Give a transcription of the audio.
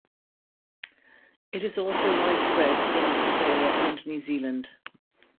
It is also widespread in Australia and New Zealand.